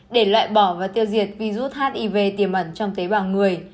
để loại bỏ và tiêu diệt virus hiv tiềm ẩn trong tế bào người